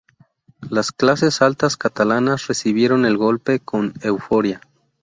Las clases altas catalanas recibieron el golpe con euforia.